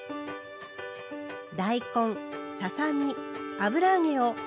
大根ささ身油揚げを水で煮ます。